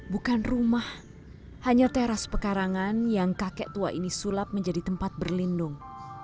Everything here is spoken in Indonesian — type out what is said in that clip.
bukan rumah hanya teras pekarangan yang kakek tua ini sulap menjadi tempat berlindung